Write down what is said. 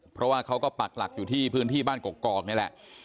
เพราะว่าเขาก็ปักหลักอยู่ที่พื้นที่บ้านกอกนี่แหละ